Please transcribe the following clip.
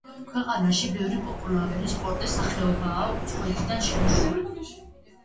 ქვეყანაში ბევრი პოპულარული სპორტის სახეობაა უცხოეთიდან შემოსული.